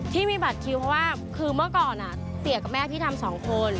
ที่มีบัตรคิวเพราะว่าคือเมื่อก่อนเสียกับแม่พี่ทำสองคน